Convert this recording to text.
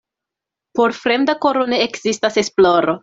Por fremda koro ne ekzistas esploro.